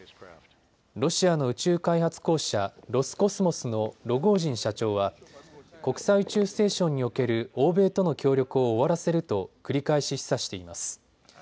ロシアの宇宙開発公社、ロスコスモスのロゴージン社長は国際宇宙ステーションにおける欧米との協力を終わらせると繰り返し示唆しています。